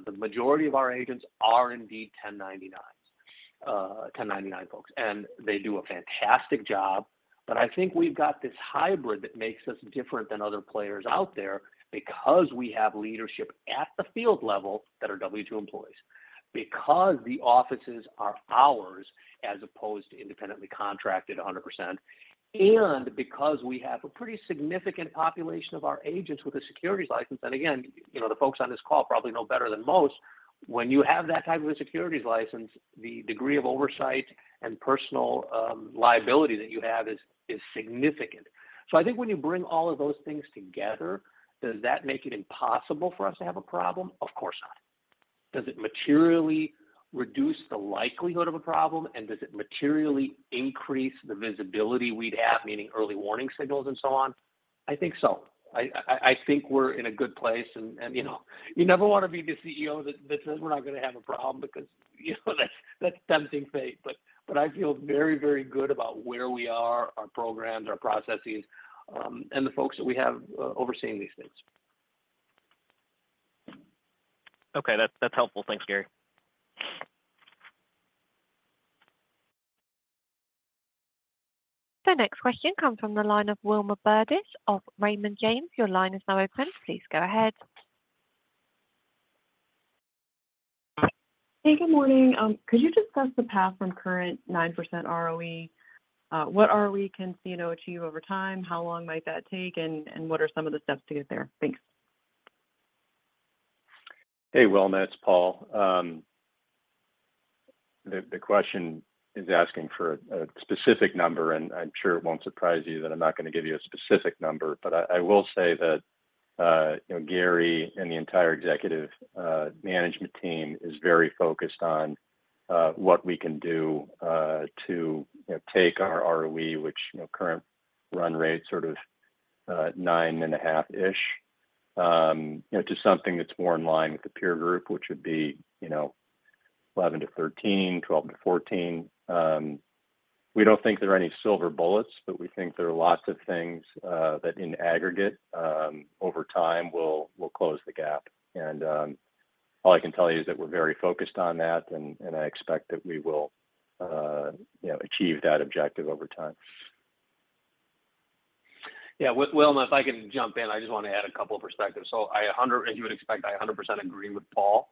S3: the majority of our agents are indeed 1099 folks, and they do a fantastic job. But I think we've got this hybrid that makes us different than other players out there because we have leadership at the field level that are W-2 employees, because the offices are ours as opposed to independently contracted 100%, and because we have a pretty significant population of our agents with a securities license. And again, the folks on this call probably know better than most, when you have that type of a securities license, the degree of oversight and personal liability that you have is significant. So I think when you bring all of those things together, does that make it impossible for us to have a problem? Of course not. Does it materially reduce the likelihood of a problem, and does it materially increase the visibility we'd have, meaning early warning signals and so on? I think so. I think we're in a good place. And you never want to be the CEO that says, "We're not going to have a problem," because that's tempting fate. But I feel very, very good about where we are, our programs, our processes, and the folks that we have overseeing these things.
S11: Okay. That's helpful. Thanks, Gary.
S1: The next question comes from the line of Wilma Burdis of Raymond James. Your line is now open. Please go ahead.
S12: Hey, good morning. Could you discuss the path from current 9% ROE? What ROE can CNO achieve over time? How long might that take, and what are some of the steps to get there? Thanks.
S4: Hey, Wilma. It's Paul. The question is asking for a specific number, and I'm sure it won't surprise you that I'm not going to give you a specific number. But I will say that Gary and the entire executive management team is very focused on what we can do to take our ROE, which current run rate's sort of 9.5%-ish, to something that's more in line with the peer group, which would be 11%-13%, 12%-14%. We don't think there are any silver bullets, but we think there are lots of things that, in aggregate, over time will close the GAAP. And all I can tell you is that we're very focused on that, and I expect that we will achieve that objective over time.
S3: Yeah. Wilma, if I can jump in, I just want to add a couple of perspectives. So as you would expect, I 100% agree with Paul.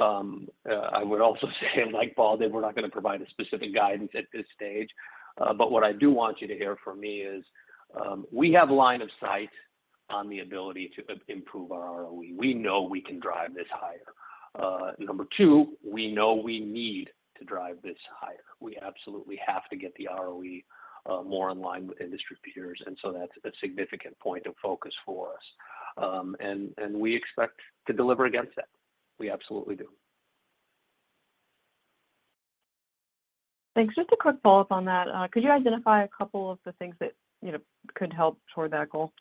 S3: I would also say, like Paul, that we're not going to provide a specific guidance at this stage. But what I do want you to hear from me is we have line of sight on the ability to improve our ROE. We know we can drive this higher. Number two, we know we need to drive this higher. We absolutely have to get the ROE more in line with industry peers. And so that's a significant point of focus for us. And we expect to deliver against that. We absolutely do.
S12: Thanks. Just a quick follow-up on that. Could you identify a couple of the things that could help toward that goal?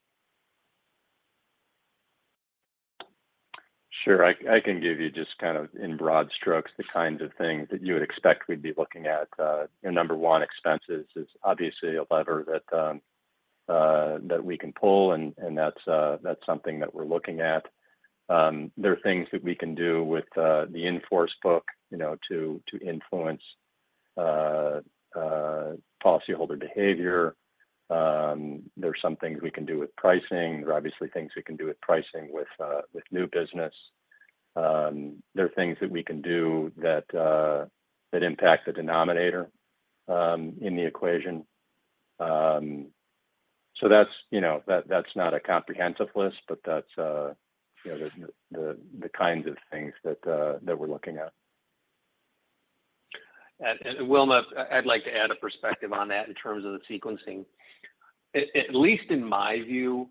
S4: Sure. I can give you just kind of in broad strokes the kinds of things that you would expect we'd be looking at. Number one, expenses is obviously a lever that we can pull, and that's something that we're looking at. There are things that we can do with the in-force book to influence policyholder behavior. There are some things we can do with pricing. There are obviously things we can do with pricing with new business. There are things that we can do that impact the denominator in the equation. That's not a comprehensive list, but that's the kinds of things that we're looking at.
S3: Wilma, I'd like to add a perspective on that in terms of the sequencing. At least in my view,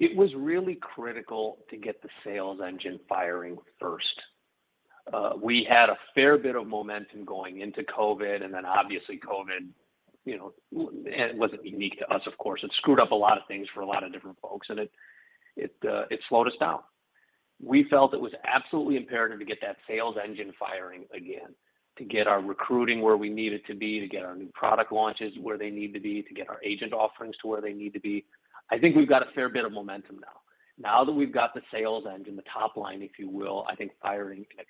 S3: it was really critical to get the sales engine firing first. We had a fair bit of momentum going into COVID, and then obviously, COVID wasn't unique to us, of course. It screwed up a lot of things for a lot of different folks, and it slowed us down. We felt it was absolutely imperative to get that sales engine firing again, to get our recruiting where we need it to be, to get our new product launches where they need to be, to get our agent offerings to where they need to be. I think we've got a fair bit of momentum now. Now that we've got the sales engine, the top line, if you will, I think, firing in a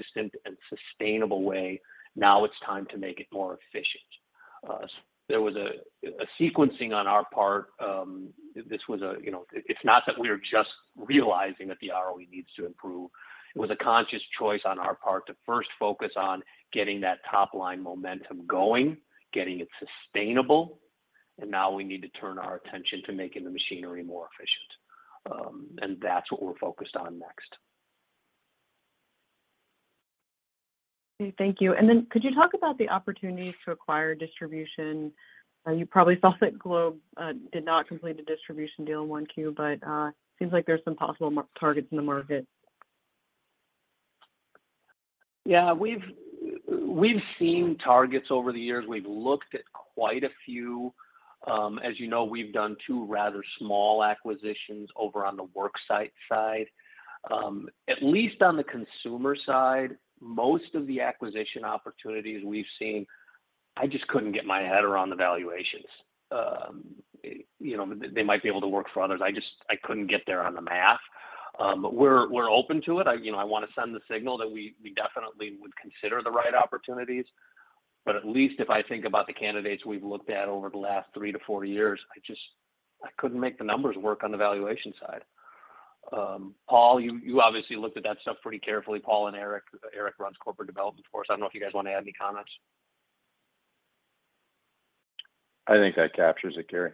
S3: consistent and sustainable way, now it's time to make it more efficient. There was a sequencing on our part. This was. It's not that we were just realizing that the ROE needs to improve. It was a conscious choice on our part to first focus on getting that top-line momentum going, getting it sustainable, and now we need to turn our attention to making the machinery more efficient. And that's what we're focused on next.
S12: Okay. Thank you. And then could you talk about the opportunities to acquire distribution? You probably saw that Globe did not complete a distribution deal in 1Q, but it seems like there's some possible targets in the market.
S3: Yeah. We've seen targets over the years. We've looked at quite a few. As you know, we've done two rather small acquisitions over on the worksite side. At least on the consumer side, most of the acquisition opportunities we've seen, I just couldn't get my head around the valuations. They might be able to work for others. I couldn't get there on the math. But we're open to it. I want to send the signal that we definitely would consider the right opportunities. But at least if I think about the candidates we've looked at over the last three to four years, I couldn't make the numbers work on the valuation side. Paul, you obviously looked at that stuff pretty carefully. Paul and Eric, Eric runs corporate development for us. I don't know if you guys want to add any comments.
S4: I think that captures it, Gary.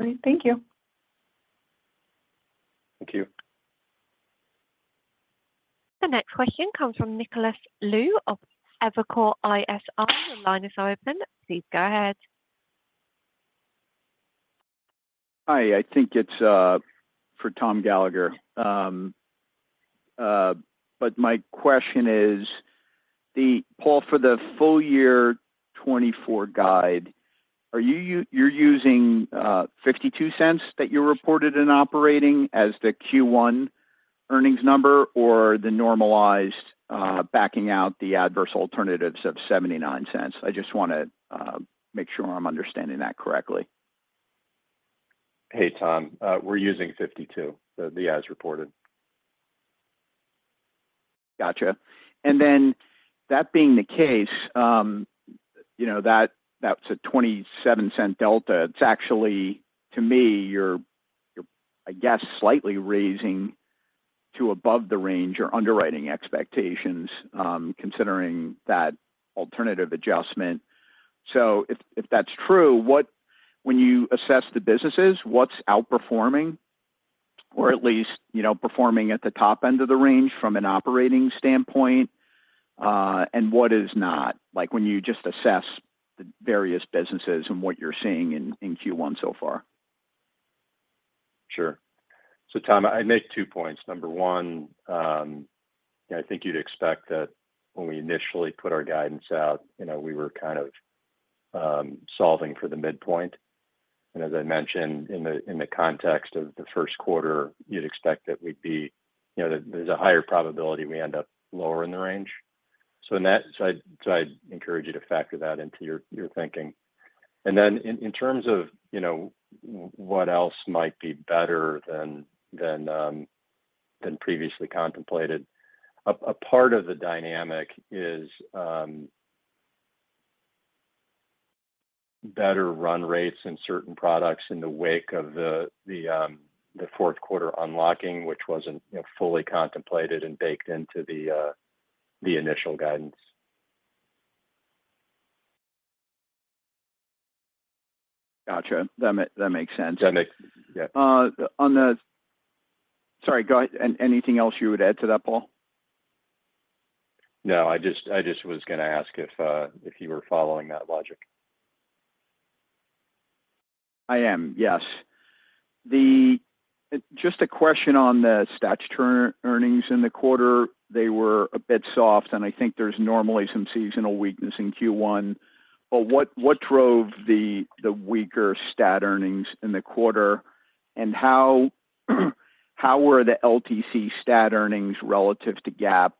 S12: All right. Thank you.
S4: Thank you.
S1: The next question comes from Nicholas Liu of Evercore ISI. Your line is open. Please go ahead.
S13: Hi. I think it's for Tom Gallagher. But my question is, Paul, for the full-year 2024 guide, you're using $0.52 that you reported in operating as the Q1 earnings number or the normalized backing out the adverse alternatives of $0.79? I just want to make sure I'm understanding that correctly.
S4: Hey, Tom. We're using $0.52, the as-reported.
S13: Gotcha. And then that being the case, that's a $0.27 delta. It's actually, to me, you're, I guess, slightly raising to above the range. You're underwriting expectations considering that alternative adjustment. So if that's true, when you assess the businesses, what's outperforming or at least performing at the top end of the range from an operating standpoint, and what is not when you just assess the various businesses and what you're seeing in Q1 so far?
S4: Sure. So Tom, I'd make two points. Number one, I think you'd expect that when we initially put our guidance out, we were kind of solving for the midpoint. And as I mentioned, in the context of the first quarter, you'd expect that we'd be, there's a higher probability we end up lower in the range. So I'd encourage you to factor that into your thinking. And then in terms of what else might be better than previously contemplated, a part of the dynamic is better run rates in certain products in the wake of the fourth quarter unlocking, which wasn't fully contemplated and baked into the initial guidance.
S13: Gotcha. That makes sense. That makes
S4: Yeah.
S13: Sorry. Go ahead. Anything else you would add to that, Paul?
S4: No. I just was going to ask if you were following that logic.
S13: I am. Yes. Just a question on the statutory earnings in the quarter. They were a bit soft, and I think there's normally some seasonal weakness in Q1. But what drove the weaker statutory earnings in the quarter, and how were the LTC statutory earnings relative to GAAP?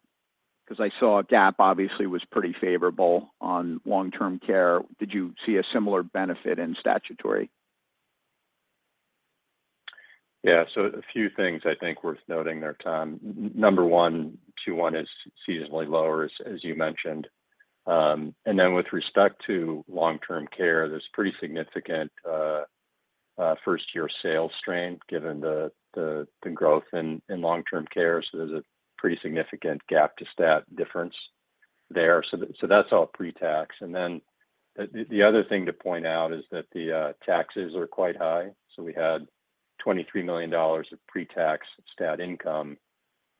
S13: Because I saw GAAP, obviously, was pretty favorable on long-term care. Did you see a similar benefit in statutory?
S4: Yeah. So a few things, I think, worth noting there, Tom. Number one, Q1 is seasonally lower, as you mentioned. And then with respect to long-term care, there's pretty significant first-year sales strain given the growth in long-term care. So there's a pretty significant GAAP to stat difference there. So that's all pre-tax. And then the other thing to point out is that the taxes are quite high. So we had $23 million of pre-tax stat income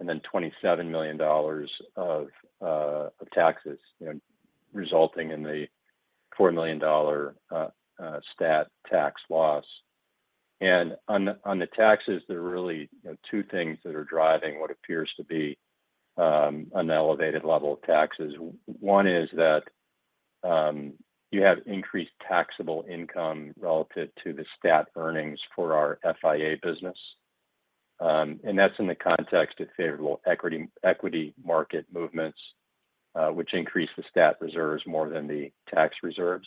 S4: and then $27 million of taxes, resulting in the $4 million stat tax loss. And on the taxes, there are really two things that are driving what appears to be an elevated level of taxes. One is that you have increased taxable income relative to the stat earnings for our FIA business. And that's in the context of favorable equity market movements, which increase the stat reserves more than the tax reserves.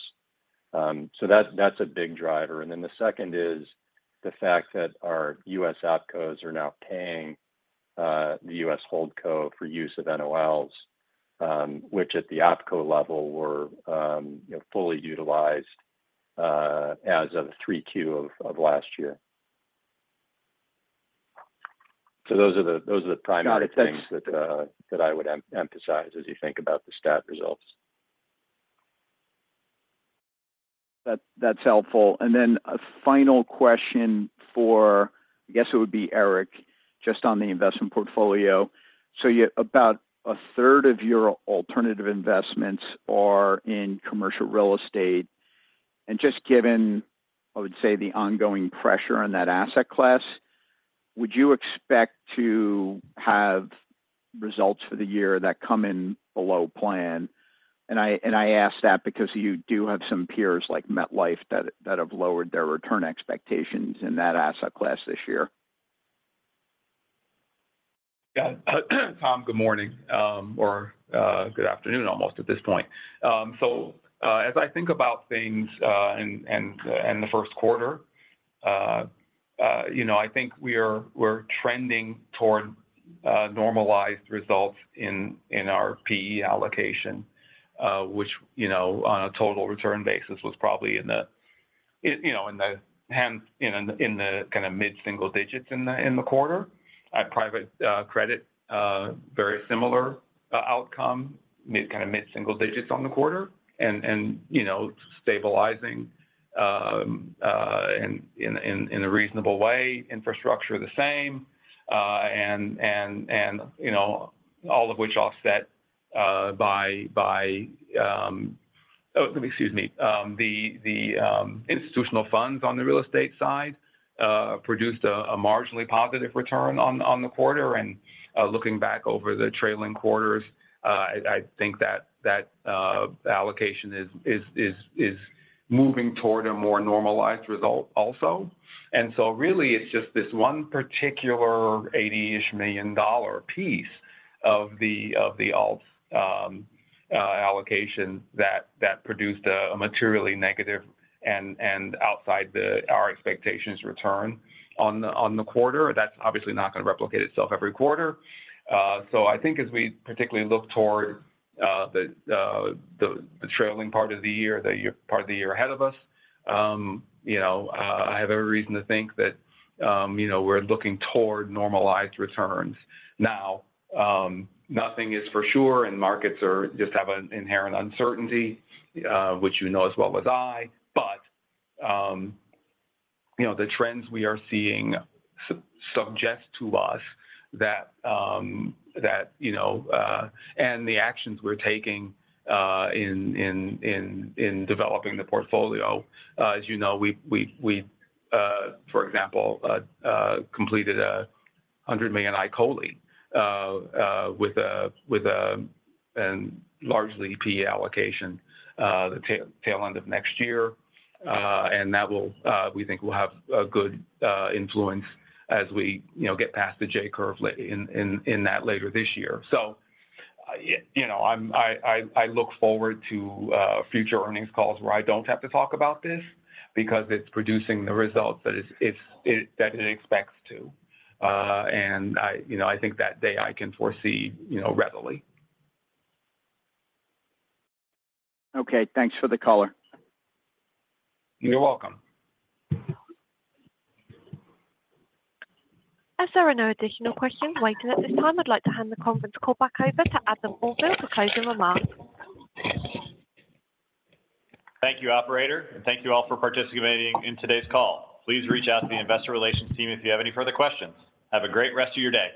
S4: So that's a big driver. And then the second is the fact that our U.S. OpCos are now paying the U.S. HoldCo for use of NOLs, which at the OpCo level were fully utilized as of 3Q of last year. So those are the primary things that I would emphasize as you think about the stat results.
S13: That's helpful. And then a final question for I guess it would be Eric, just on the investment portfolio. So about a 1/3 of your alternative investments are in commercial real estate. And just given, I would say, the ongoing pressure on that asset class, would you expect to have results for the year that come in below plan? And I ask that because you do have some peers like MetLife that have lowered their return expectations in that asset class this year.
S8: Yeah. Tom, good morning or good afternoon almost at this point. So as I think about things and the first quarter, I think we're trending toward normalized results in our PE allocation, which on a total return basis was probably in the kind of mid-single digits in the quarter. Private credit, very similar outcome, kind of mid-single digits on the quarter and stabilizing in a reasonable way. Infrastructure, the same, and all of which offset by oh, excuse me. The institutional funds on the real estate side produced a marginally positive return on the quarter. And looking back over the trailing quarters, I think that allocation is moving toward a more normalized result also. And so really, it's just this one particular $80-ish million dollar piece of the alts allocation that produced a materially negative and outside our expectations return on the quarter. That's obviously not going to replicate itself every quarter. So I think as we particularly look toward the trailing part of the year, the part of the year ahead of us, I have every reason to think that we're looking toward normalized returns. Now, nothing is for sure, and markets just have an inherent uncertainty, which you know as well as I. But the trends we are seeing suggest to us that and the actions we're taking in developing the portfolio. As you know, we, for example, completed a $100 million ICOLI with a largely PE allocation the tail end of next year. And we think we'll have a good influence as we get past the J-curve in that later this year. So I look forward to future earnings calls where I don't have to talk about this because it's producing the results that it expects to. And I think that day I can foresee readily.
S13: Okay. Thanks for the caller.
S8: You're welcome.
S1: As there are no additional questions waiting at this time, I'd like to hand the conference call back over to Adam Auvil for closing remarks.
S2: Thank you, operator. Thank you all for participating in today's call. Please reach out to the investor relations team if you have any further questions. Have a great rest of your day.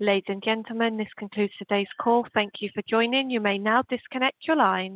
S1: Ladies and gentlemen, this concludes today's call. Thank you for joining. You may now disconnect your line.